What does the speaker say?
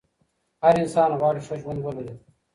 هر انسان غواړي ښه ژوند ولري.